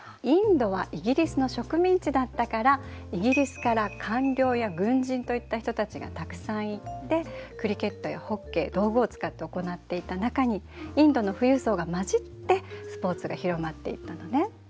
インドはイギリスの植民地だったからイギリスから官僚や軍人といった人たちがたくさん行ってクリケットやホッケー道具を使って行っていた中にインドの富裕層が混じってスポーツが広まっていったのね。